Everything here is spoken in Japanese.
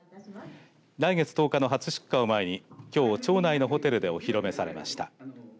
来月１０日の初出荷を前にきょう町内のホテルでお披露目されました。